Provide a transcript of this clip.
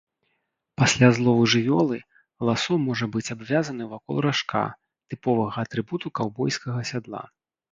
Пасля злову жывёлы ласо можа быць абвязаны вакол ражка, тыповага атрыбуту каўбойскага сядла.